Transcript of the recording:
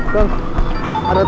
kang ada telepon